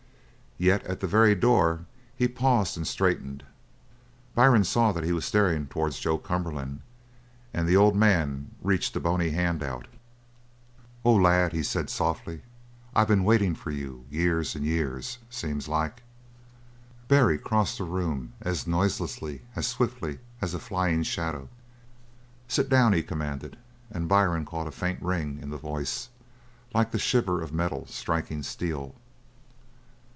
Yet at the very door he paused and straightened; Byrne saw that he was staring towards Joe Cumberland; and the old man reached a bony hand out. "Oh, lad," he said softly, "I been waitin' for you years an' years, seems like!" Barry crossed the room as noiselessly, as swiftly, as a flying shadow. "Sit down!" he commanded, and Byrne caught a faint ring in the voice, like the shiver of metal striking steel.